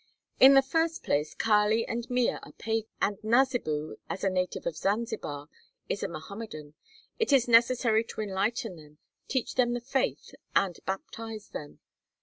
"In the first place Kali and Mea are pagans, and Nasibu, as a native of Zanzibar, is a Mohammedan. It is necessary to enlighten them, teach them the faith, and baptize them.